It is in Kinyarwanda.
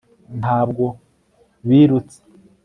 ntabwo birutse